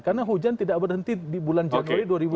karena hujan tidak berhenti di bulan januari dua ribu dua puluh